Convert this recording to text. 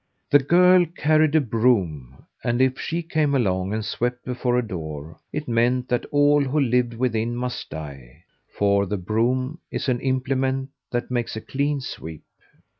The girl carried a broom, and if she came along and swept before a door, it meant that all who lived within must die; for the broom is an implement that makes a clean sweep.